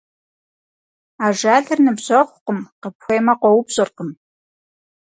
Ажалыр ныбжьэгъукъым, къыпхуеймэ, къоупщӀыркъым.